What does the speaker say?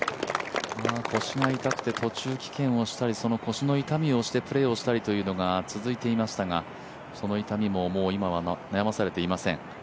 腰が痛くて途中棄権をしたり、腰の痛みを押してプレーが続いていましたが、その痛みももう今は悩まされていません。